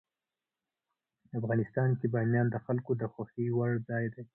افغانستان کې بامیان د خلکو د خوښې وړ ځای دی.